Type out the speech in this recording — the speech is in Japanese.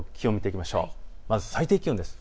まず最低気温です。